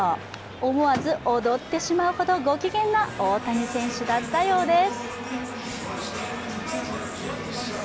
思わず踊ってしまうほどごきげんな大谷選手だったようです。